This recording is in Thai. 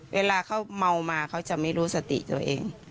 เวลาเขาเมามาเขาจะไม่รู้สติตัวเอง